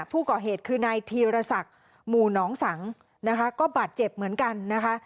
ผู้ก่อเหตุคือนายธีรศักดิ์หมู่หนองสังนะคะก็บาดเจ็บเหมือนกันนะคะ